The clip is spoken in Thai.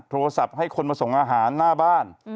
โทรศัพท์ให้คนมาส่งอาหารหน้าบ้าน